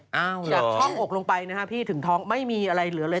จากช่องอกลงไปนะฮะพี่ถึงท้องไม่มีอะไรเหลือเลย